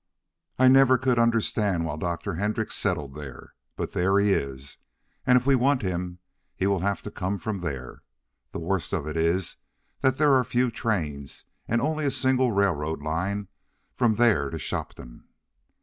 I never could understand why Dr. Hendrix settled there. But there he is, and if we want him he will have to come from there. The worst of it is that there are few trains, and only a single railroad line from there to Shopton."